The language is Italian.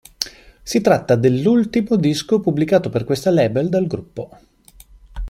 Si tratta dell'ultimo disco pubblicato per questa label dal gruppo.